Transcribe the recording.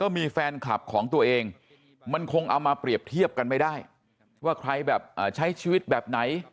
มันคงเอามาเปรียบเทียบกันไม่ได้ว่าใครแบบใช้ชีวิตแบบไหน